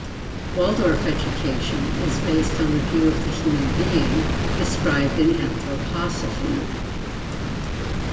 Waldorf education is based on the view of the human being described in anthroposophy.